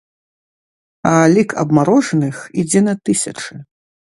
А лік абмарожаных ідзе на тысячы.